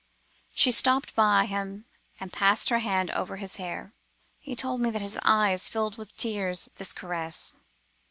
She stopped by him, and passed her hand over his hair. He told me that his eyes filled with tears at this caress.